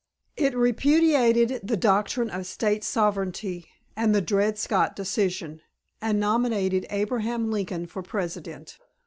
It repudiated the doctrine of State sovereignty and the Dred Scott decision, and nominated Abraham Lincoln for President.